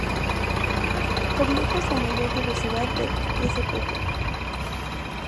Por lejos la mayor diversidad de spp.